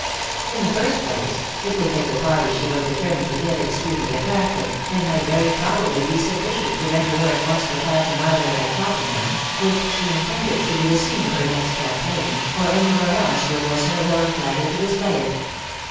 In the first place, it would make the parties she was determined to give extremely attractive, and might very probably be sufficient to render her at once the fashion either at Cheltenham, which she intended should be the scene of her next campaign, or any where else where it was her will and pleasure to display it.